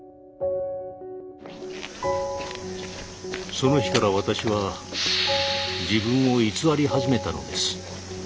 その日から私は自分を偽り始めたのです。